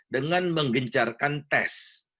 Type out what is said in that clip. dengan menggencarkan tes